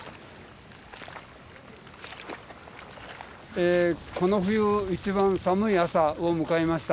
えこの冬一番寒い朝を迎えました。